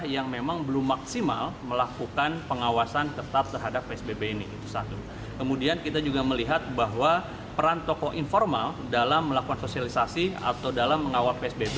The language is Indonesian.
yang memperoleh kategori a atau istimewa